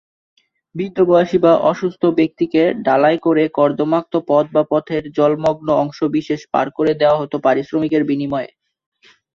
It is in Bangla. বৃদ্ধ বয়সী বা অসুস্থ ব্যক্তিকে ডালায় করে কর্দমাক্ত পথ বা পথের জলমগ্ন অংশবিশেষ পার করে দেয়া হত পারিশ্রমিকের বিনিময়ে।